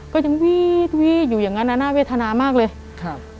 ก็ยังวีดวีดอยู่อย่างงั้นอ่ะน่าเวทนามากเลยครับ